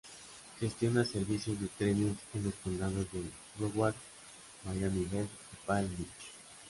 Gestiona servicios de trenes en los condados de Broward, Miami-Dade y Palm Beach.